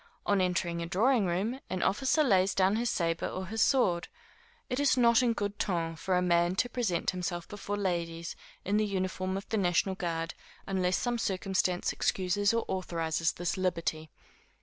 On entering a drawing room, an officer lays down his sabre or his sword. It is not in good ton for a man to present himself before ladies, in the uniform of the national guard, unless some circumstance excuses or authorises this liberty.